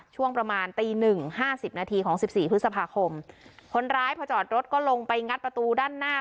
ช่วงประมาณตีหนึ่งห้าสิบนาทีของสิบสี่พฤษภาคมคนร้ายพอจอดรถก็ลงไปงัดประตูด้านหน้า